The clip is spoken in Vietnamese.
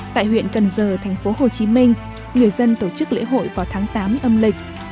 tại huyện cần giờ thành phố hồ chí minh người dân tổ chức lễ hội vào tháng tám âm lịch